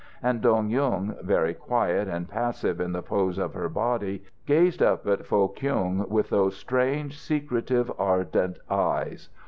And Dong Yung, very quiet and passive in the pose of her body, gazed up at Foh Kyung with those strange, secretive, ardent eyes.